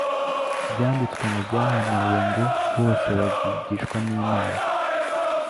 Byanditswe mu byahanuwe ngo: bose bazigishwa n'Imana,